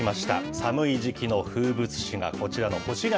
寒い時期の風物詩がこちらの干し柿。